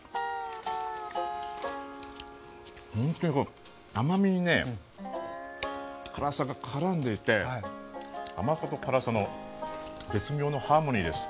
ほんとにこれ甘みにね辛さがからんでいて甘さと辛さの絶妙のハーモニーです。